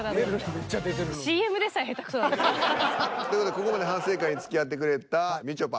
ここまで反省会につきあってくれたみちょぱ。